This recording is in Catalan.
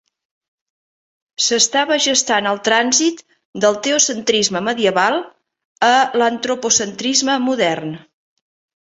S'estava gestant el trànsit del teocentrisme medieval a l'antropocentrisme modern.